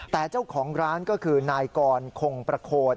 แต่เจ้าของร้านก็คือนายกรคงประโคน